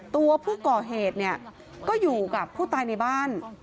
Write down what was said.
ตัวผู้ก่อเหตุเนี่ยก็อยู่กับผู้ตายในบ้าน